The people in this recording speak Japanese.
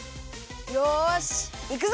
よしいくぞ！